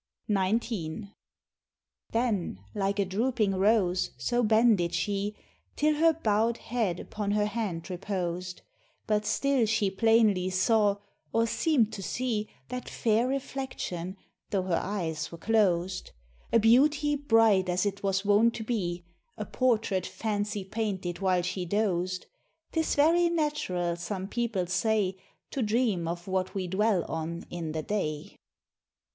XIX. Then like a drooping rose so bended she, Till her bow'd head upon her hand reposed; But still she plainly saw, or seem'd to see, That fair reflection, tho' her eyes were closed, A beauty bright as it was wont to be, A portrait Fancy painted while she dozed: 'Tis very natural some people say, To dream of what we dwell on in the day.